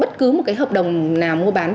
bất cứ một hợp đồng nào mua bán